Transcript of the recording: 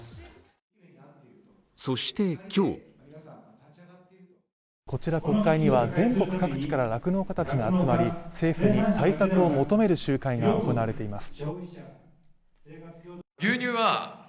そして、今日こちら国会には全国各地から酪農家たちが集まり政府に対策を求める集会が行われています。